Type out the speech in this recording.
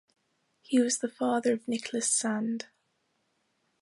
He was the father of Nicholas Sand.